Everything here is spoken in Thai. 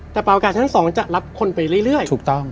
แต่ปรับอากาศชั้น๒จะรับคนไปเรื่อย